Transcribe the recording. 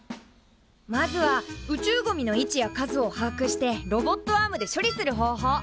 まずは宇宙ゴミの位置や数をはあくしてロボットアームで処理する方法。